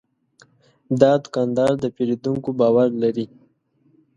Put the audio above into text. دا دوکاندار د پیرودونکو باور لري.